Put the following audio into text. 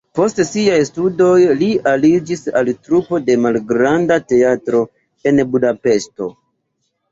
Post siaj studoj li aliĝis al trupo de malgranda teatro en Budapeŝto.